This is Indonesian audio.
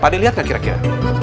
pak de lihat gak kira kira